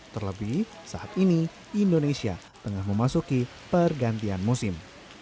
terlebih saat ini indonesia tengah memasuki pergantian musim